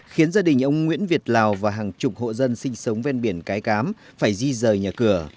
khiến gia đình ông nguyễn việt lào và hàng chục hộ dân sinh sống ven biển cái cám phải di rời nhà cửa